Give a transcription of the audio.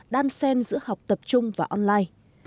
đan sen giữa học tập trung và online